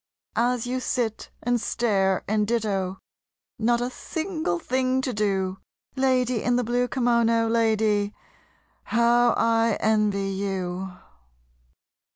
As you sit and stare and ditto, not a single thing to do, Lady in the blue kimono, lady, how I envy you!